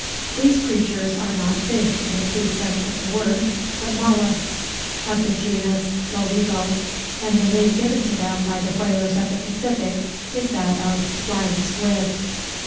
These creatures are not fish in the true sense of the word, but "molluscs," of the genus Loligo; and the name given to them by the whalers of the Pacific is that of "Flying Squid."